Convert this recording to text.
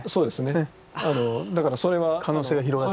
だからそれは可能性が広がる。